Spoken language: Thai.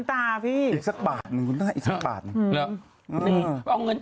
ถามบอสดูแรง